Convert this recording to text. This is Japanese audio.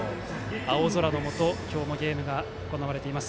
青空のもと、今日もゲームが行われています。